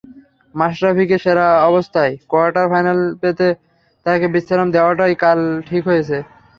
মাশরাফিকে সেরা অবস্থায় কোয়ার্টার ফাইনালে পেতে তাঁকে বিশ্রাম দেওয়াটাই কাল ঠিক হয়েছে।